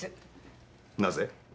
なぜ？